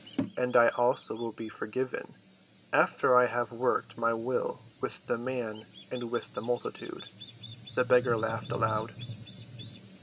"And I also will be forgiven, after I have worked my will with the man and with the multitude." The beggar laughed aloud.